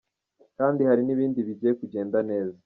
Kandi hari n’ibindi bigiye kugenda neza.